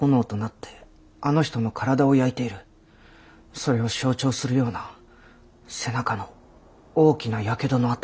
それを象徴するような背中の大きな火傷の痕。